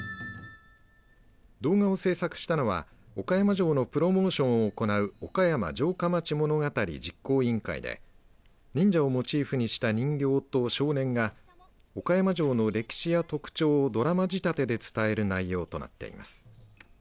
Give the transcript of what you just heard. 動画を制作したのは岡山城のプロモーションを行うおかやま城下町物語実行委員会で忍者をモチーフにした人形と少年が岡山城の歴史や特徴をドラマ仕立てで伝える内容となっています。